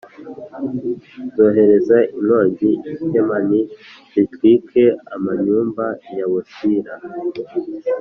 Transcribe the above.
Nzohereza inkongi i Temani zitwike amanyumba ya Bosira.”